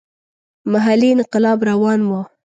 محلي انقلاب روان وو.